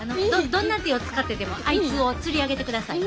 どんな手を使ってでもあいつを釣り上げてください。